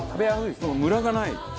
ムラがない。